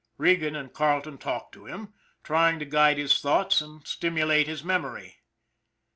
Regan and Carleton talked to him, trying to guide his thoughts and stimulate his memory.